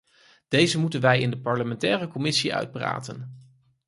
Deze moeten wij in de parlementaire commissie uitpraten.